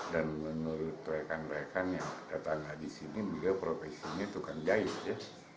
dan menurut rekan rekan yang datanglah disini beliau profesinya tuh kan jahit ya